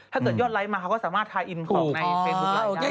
ถ้าเกิดยอดไลค์มาเขาก็สามารถไทยอินนะขอบในเฟนบุคล์หลาย